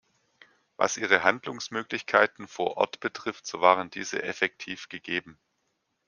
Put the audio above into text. Was ihre Handlungsmöglichkeiten vor Ort betrifft, so waren diese effektiv gegeben.